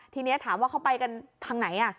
ทีนี้ถามว่าเขาไปกันทางไหน